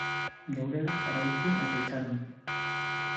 Geurera jarraitu eta itxaron.